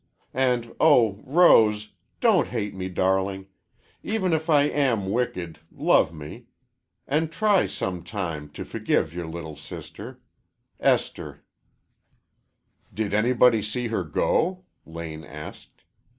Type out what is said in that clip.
And, oh, Rose, don't hate me, darling. Even if I am wicked, love me. And try some time to forgive your little sister. ESTHER "Did anybody see her go?" Lane asked.